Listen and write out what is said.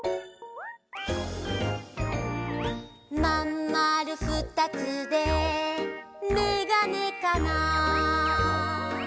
「まんまるふたつでメガネかな」